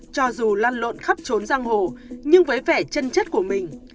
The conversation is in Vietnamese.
cho dù lan lộn khắp trốn giang hồ nhưng với vẻ chân chất của mình